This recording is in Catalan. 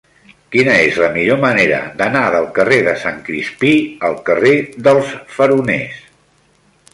Quina és la millor manera d'anar del carrer de Sant Crispí al carrer dels Faroners?